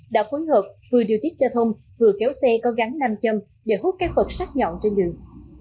đã phối hợp vừa điều tiết giao thông vừa kéo xe có gắn nam châm để hút các vật sắt nhọn trên đường